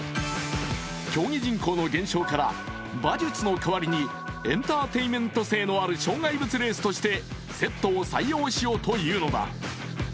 競技人口の減少から馬術の代わりにエンターテインメント性のある障害物レースとしてセットを採用しようというのだ。